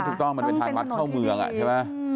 ถูกต้องมันเป็นทางรับเข้าเมืองใช่ไหม